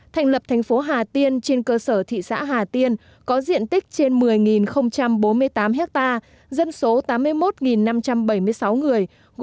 thành lập thành phố hà tiên trên cơ sở thị xã hà tiên có diện tích trên một mươi bốn mươi tám ha dân số tám mươi một năm trăm bảy mươi sáu người